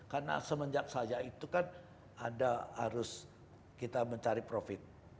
karena semenjak saja itu kan ada harus kita mencari profit